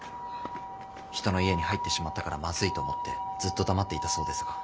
人の家に入ってしまったからまずいと思ってずっと黙っていたそうですが。